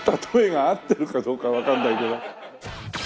例えが合ってるかどうかわかんないけど。